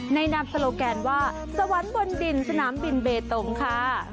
นามสโลแกนว่าสวรรค์บนดินสนามบินเบตงค่ะ